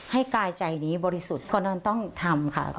ให้กายใจนี้บริสุทธิ์ก่อนนั้นต้องทำค่ะ